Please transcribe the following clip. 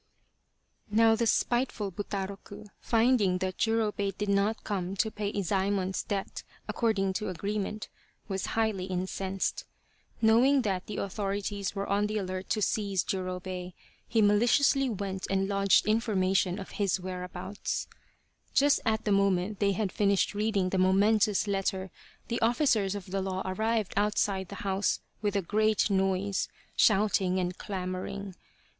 Now the spiteful Butaroku, finding that Jurobei did not come to pay Iz^mon's debt according to agreement, was highly incensed. Knowing that the authorities were on the alert to seize Jurobei, he maliciously went and lodged information of his where abouts. 38 The Quest of the Sword Just at the moment they had finished reading the momentous letter the officers of the law arrived out side the house with a great noise, shouting and clamouring.